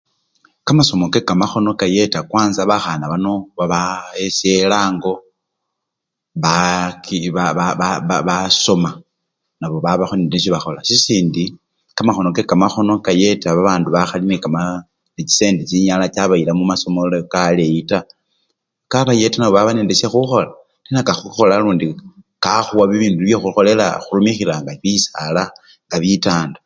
Kamasomo kekamakhono kayeta kwanza bakhana bano bayesele ango ba ba ba basoma nabo babakho nende nisho bakhola sisindi kamakhono kekamakhono kayeta babandu bakhali nende chisende chinyala chabayila mumasomelo kali ke-aleyi taa kabayeta nabo baba nende shekhukhola ate nalundi kakhukhola nalundi kakhuwa bibindu nibyo khukholela oba khurumikhila nga bisaala oba bitanda